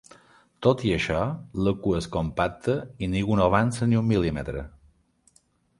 Tot i això, la cua és compacta i ningú no avança ni un mil·límetre.